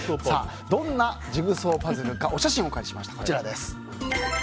どんなジグソーパズルかお写真をお借りしました。